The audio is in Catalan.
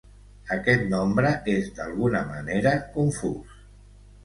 Aquest nombre és d'alguna manera confús.